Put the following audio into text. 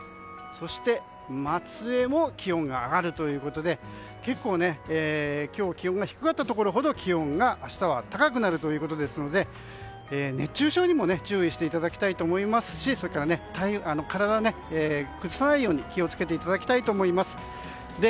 そして松江も気温が上がるということで結構、今日気温が低かったところほど明日は高くなるということですから熱中症にも注意していただきたいですしそれから体を崩さないように気を付けていただきたいと思います。